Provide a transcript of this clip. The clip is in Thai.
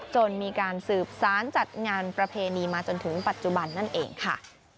จนมีการสืบสารจัดงานประเพณีมาจนถึงปัจจุบันนั่นเองค่ะ